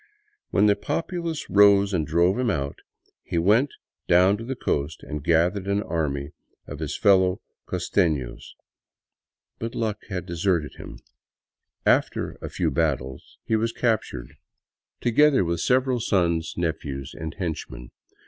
When the populace rose and drove him out, he went down to the coast and gathered an army of his itWovj costenos. But luck had deserted hjiri. After a few battles he was captured, together with 144 THE CITY OF THE EQUATOR several sons, nephews, and henchmen.